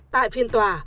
tại phiên tòa